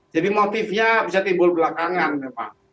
jadi motifnya bisa timbul belakangan memang